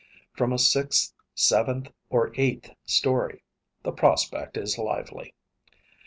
From a sixth, seventh, or eighth story, the prospect is lively.